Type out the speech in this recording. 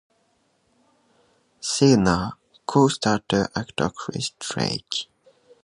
"Sheena" co-starred actor Chris Drake.